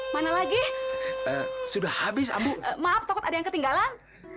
mana lagi sudah habis abu maaf takut ada yang ketinggalan